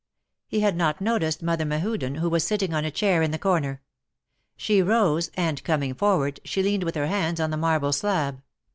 He had not noticed Mother Mehuden, who was sitting on a chair in the corner. She rose, and, coming forward, she leaned with her hands on the marble slab.